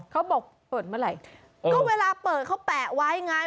เขาบอกเปิดเมื่อไหร่ก็เวลาเปิดเขาแปะไว้ไง